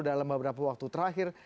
dalam beberapa waktu terakhir